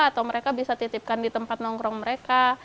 atau mereka bisa titipkan di tempat nongkrong mereka